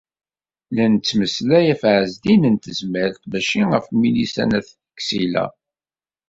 La nettmeslay af Ɛezdin n Tezmalt, mačči af Milisa n At Ksila.